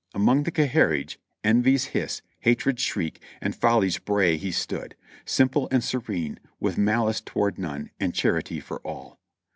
Among the "ca hierage," envy's hiss, hatred's shriek and folly's bray he stood, simple and serene, with malice toward none and charity for all.